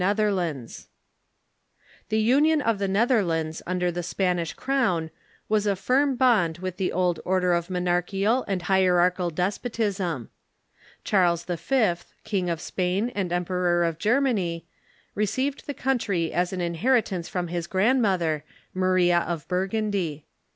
] The union of the Netherlands under the Spanish crown was a firm bond with the old order of monarchical and hierar chical despotism. Charles V., King of Spain and Brothers of the Emperor of Germany, received the country as l/Ommon Lite *_*''_ y an inheritance from his grandmother, Maria of Burgundy.